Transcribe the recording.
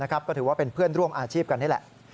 ก็ถือว่าเป็นเพื่อนร่วมอาชีพกันนี่แหละ